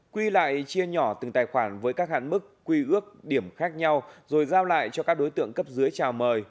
quy lại chia nhỏ từng tài khoản với các hạn mức quy ước điểm khác nhau rồi giao lại cho các đối tượng cấp dưới trào mời